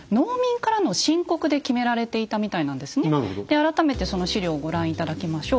改めてその史料をご覧頂きましょう。